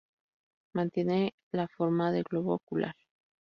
Mantiene la forma de globo ocular.